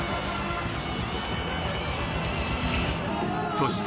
そして。